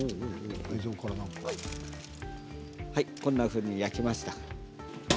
こんなふうに焼きました。